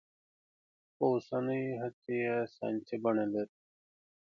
خو اوسنۍ هڅې يې ساينسي بڼه لري.